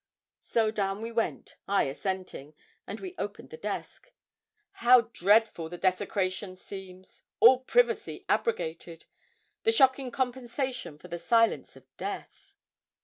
So down we went I assenting and we opened the desk. How dreadful the desecration seems all privacy abrogated the shocking compensation for the silence of death!